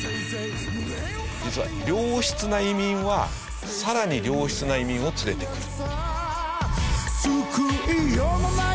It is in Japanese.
実は良質な移民はさらに良質な移民を連れてくる。